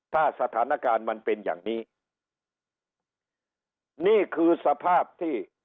ถ้าสถานการณ์มันเป็นอย่างนี้นี่คือสภาพที่